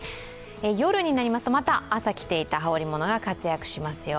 夜になりますとまた、朝着ていた羽織り物が活躍しますよ。